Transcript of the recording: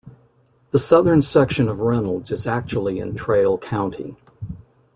The southern section of Reynolds is actually in Traill County.